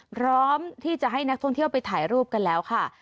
พร้อมที่จะให้นักท่องเที่ยวไปถ่ายรูปกันแล้วค่ะ